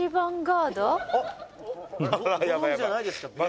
「ご存じじゃないですか？」